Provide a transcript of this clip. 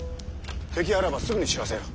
敵あらばすぐに知らせよ。